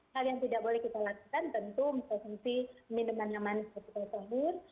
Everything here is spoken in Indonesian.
hal yang tidak boleh kita lakukan tentu misalnya minuman yang manis seperti sayur